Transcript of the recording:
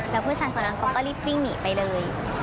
แล้วผู้ชายคนนั้นเขาก็รีบวิ่งหนีไปเลย